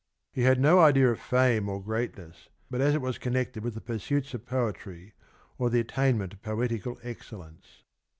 He had no idea of fame or greatness but as it was connected with the pursuits of poetry or the attainment of poetical excellence."